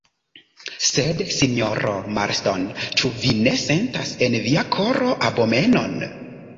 Sed, sinjoro Marston, ĉu vi ne sentas en via koro abomenon?